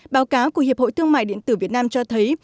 báo cáo của hiệp hội thương mại điện tử việt nam cho thấy